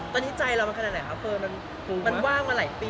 ตอนนี้ใจเรามันขนาดไหนครับเฟิร์นมันว่างมาหลายปี